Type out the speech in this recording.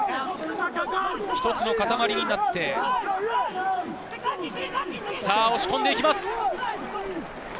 一つの塊になって押し込んでいきます。